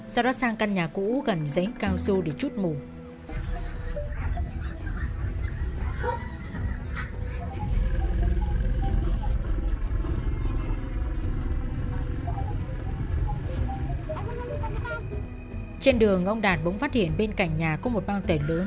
sau đó sang căn nhà cũ gần giấy cao du để chút ngủ